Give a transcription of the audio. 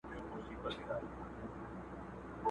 نه يوې خوا ته رهي سول ټول سرونه.!